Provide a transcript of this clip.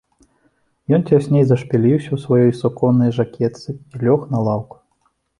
Ён цясней зашпіліўся ў сваёй суконнай жакетцы і лёг на лаўку.